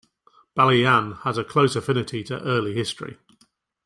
Balayan has a close affinity to early history.